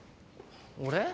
俺？